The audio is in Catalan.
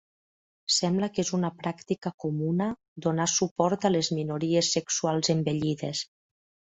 Sembla que és una pràctica comuna donar suport a les minories sexuals envellides.